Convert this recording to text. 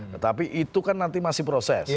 tetapi itu kan nanti masih proses